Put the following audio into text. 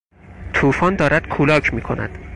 توفان دارد کولاک میکند.